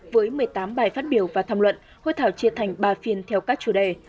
với một mươi tám bài phát biểu và tham luận hội thảo chia thành ba phiên theo các chủ đề